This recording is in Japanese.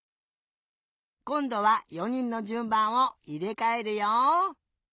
こんどは４にんのじゅんばんをいれかえるよ。